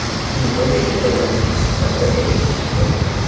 He negotiated the lend-lease of American ships to Britain.